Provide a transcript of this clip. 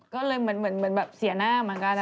ก็เลยเหมือนแบบเสียหน้าเหมือนกัน